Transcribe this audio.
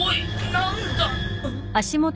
何だ？